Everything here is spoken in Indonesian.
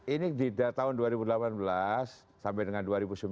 ini di tahun dua ribu delapan belas sampai dengan dua ribu sembilan belas dua ribu dua puluh